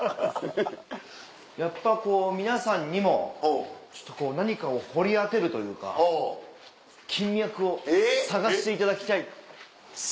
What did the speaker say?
やっぱこう皆さんにも何かを掘り当てるというか金脈を探していただきたい。